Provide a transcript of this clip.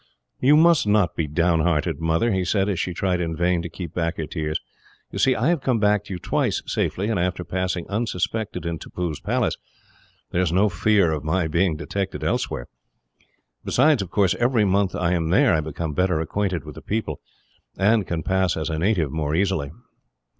"You must not be down hearted, Mother," he said, as she tried in vain to keep back her tears. "You see, I have come back to you twice, safely, and after passing unsuspected in Tippoo's palace, there is no fear of my being detected elsewhere. Besides, of course, every month I am there I become better acquainted with the people, and can pass as a native more easily."